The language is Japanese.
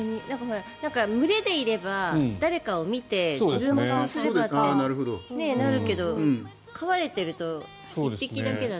群れでいれば誰かを見て自分もそうすればってなるけど飼われていると、１羽だけだと。